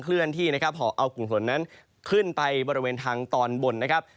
เลื่อนที่นะครับหอบเอากลุ่มฝนนั้นขึ้นไปบริเวณทางตอนบนนะครับ